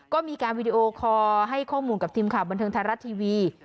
ก็มีการวีดีโอคอร์ให้ข้อมูลกับทีมข่าวบันเทิงไทยรัฐทีวี